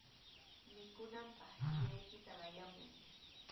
Mikunanpaq tiyaykita qayamuy.